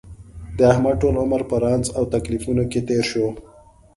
د احمد ټول عمر په رنځ او تکلیفونو کې تېر شو.